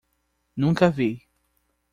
Nunca vi